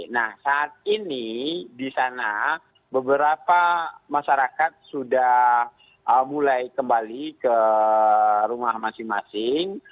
nah saat ini di sana beberapa masyarakat sudah mulai kembali ke rumah masing masing